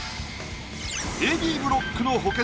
Ａ・Ｂブロックの補欠